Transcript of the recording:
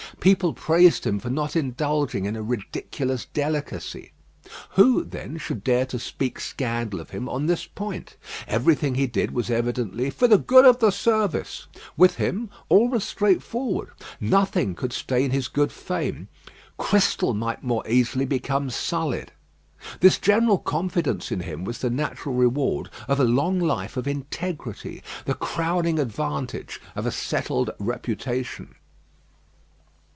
People praised him for not indulging in a ridiculous delicacy. Who, then, should dare to speak scandal of him on this point? Everything he did was evidently "for the good of the service." With him, all was straightforward. Nothing could stain his good fame. Crystal might more easily become sullied. This general confidence in him was the natural reward of a long life of integrity, the crowning advantage of a settled reputation.